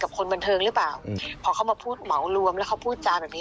คนบันเทิงหรือเปล่าพอเขามาพูดเหมารวมแล้วเขาพูดจาแบบนี้